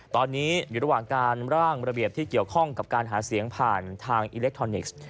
ตอนนี้อยู่ระหว่างการร่างระเบียบที่เกี่ยวข้องกับการหาเสียงผ่านทางอิเล็กทรอนิกส์